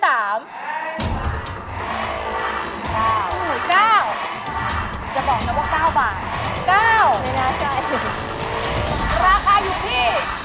ราคาอยู่ที่